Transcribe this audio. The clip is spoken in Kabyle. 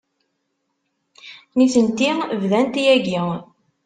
Nitenti bdant yagi.